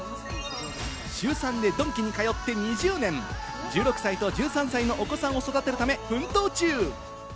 週３でドンキに通って２０年、１６歳と１３歳のお子さんを育てるため奮闘中。